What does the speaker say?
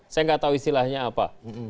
saya nggak tahu istilahnya apa